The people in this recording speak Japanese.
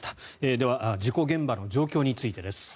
では事故現場の状況についてです。